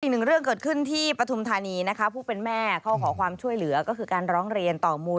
อีกหนึ่งเรื่องเกิดขึ้นที่ปฐุมธานีนะคะผู้เป็นแม่เขาขอความช่วยเหลือก็คือการร้องเรียนต่อมูล